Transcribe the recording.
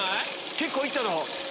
結構行っただろ。